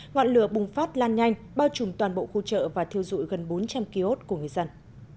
ngọn lửa bùng phát lan nhanh bao trùm toàn bộ khu chợ và thiêu dụi gần bốn trăm linh kiosk của người dân